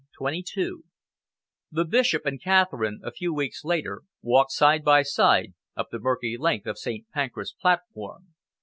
CHAPTER XXII The Bishop and Catherine, a few weeks later, walked side by side up the murky length of St. Pancras platform.